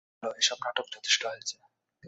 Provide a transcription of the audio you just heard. ভালো, এসব নাটক যথেষ্ট হয়েছে।